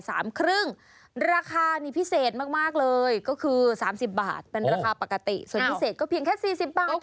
หมายความว่ามันพิเศษมากตรงที่มันถูก